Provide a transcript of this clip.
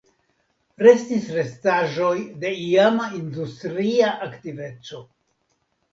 Restis restaĵoj de iama industria aktiveco.